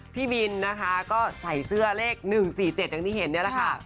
พี่บินนะคะก็ใส่เสื้อเลข๑๔๗อย่างที่เห็นนี่แหละค่ะ